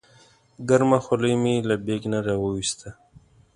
ګرمه خولۍ مې له بیک نه راوویسته.